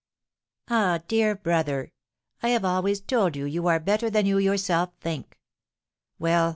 "Ah, dear brother, I have always told you you are better than you yourself think!